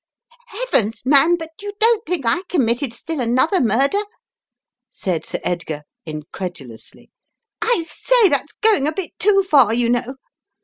"Heavens, man, but you don't think I committed still another murder," said Sir Edgar, incredulously. "I say, that's going a bit too far you know.